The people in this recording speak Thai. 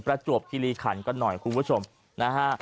ประจวบคิริขันกันหน่อยคุณผู้ชมนะฮะ